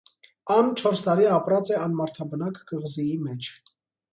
Ան չորս տարի ապրած է անմարդաբնակ կղզիի մէջ։